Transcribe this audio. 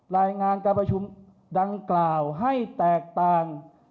รายงานการประชุมดังกล่าวให้แตกต่าง